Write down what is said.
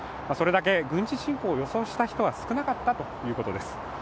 それだけ軍事侵攻を予想した人は少なかったということです。